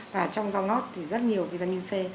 và trong rau ngót thì rất nhiều vitamin c